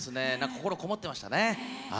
心がこもってましたね。